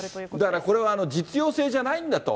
だからこれは実用性じゃないんだと。